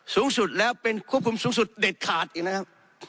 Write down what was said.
สูงสุดแล้วเป็นควบคุมสูงสุดเด็ดขาดอีกนะครับ